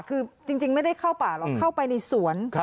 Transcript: คือจริงไม่ได้เข้าป่าหรอกเข้าไปในสวน